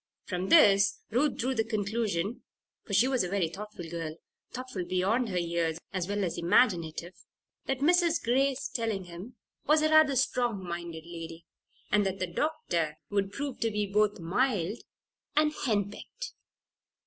From this Ruth drew the conclusion (for she was a thoughtful girl thoughtful beyond her years, as well as imaginative) that Mrs. Grace Tellingham was a rather strong minded lady and that the doctor would prove to be both mild and "hen pecked."